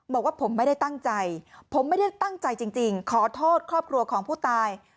บอกว่าผมไม่ได้ตั้งใจผมไม่ได้ตั้งใจจริงขอโทษครอบครัวของผู้ตาย